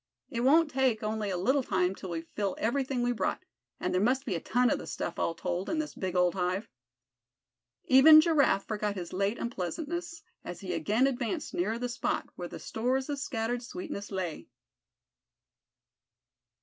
It won't take only a little time till we fill everything we brought, and there must be a ton of the stuff, all told, in this big old hive." Even Giraffe forgot his late unpleasantness as he again advanced nearer the spot where the stores of scattered sweetness lay.